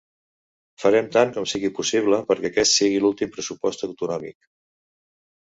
Farem tant com sigui possible perquè aquest sigui l’últim pressupost autonòmic.